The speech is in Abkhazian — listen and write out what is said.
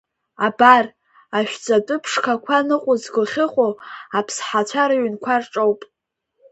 Абар, ашәҵатәы ԥшқақәа ныҟәызго ахьыҟоу аԥсҳацәа рыҩнқәа рҿоуп.